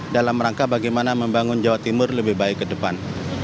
dalam rangka bagaimana membangun jawa timur lebih baik ke depan